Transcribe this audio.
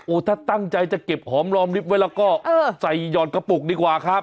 ถ้าตั้งใจจะเก็บหอมรอมลิฟต์ไว้แล้วก็ใส่หยอดกระปุกดีกว่าครับ